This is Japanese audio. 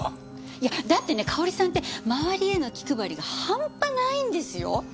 いやだってね香織さんって周りへの気配りが半端ないんですよ？